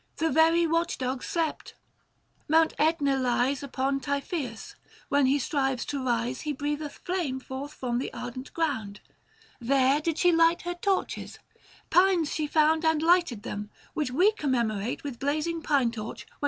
The very watch dogs slept. Mount iEtna lies Upon Typhoeus : when he strives to rise He breath eth flame forth from the ardent ground. There did she light her torches ; pines she found 550 And lighted them, which we commemorate With blazing pine torch when we celebrate Her festival.